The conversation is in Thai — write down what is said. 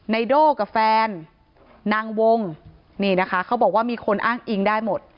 โด่กับแฟนนางวงนี่นะคะเขาบอกว่ามีคนอ้างอิงได้หมด